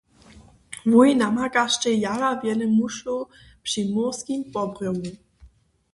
Wój namakaštej jara wjele mušlow při mórskim pobrjohu.